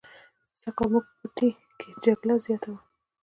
سږ کال زموږ پټي کې جلگه زیاته وه.